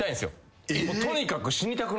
とにかく。